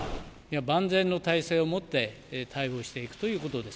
万全の体制をもって対応していくということです。